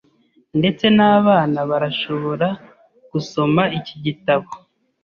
Ndetse n'abana barashobora gusoma iki gitabo.